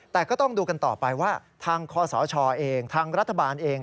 แต่ก็ต้องดูกันต่อไปว่าทางคศเองทางรัฐบาลเอง